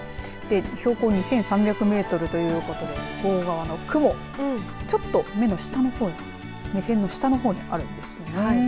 標高２３００メートルということで向こう側の雲ちょっと目の下の方に目線の下の方にあるんですね。